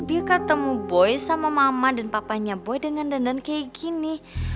dia ketemu boy sama mama dan papanya boy dengan dandan kayak gini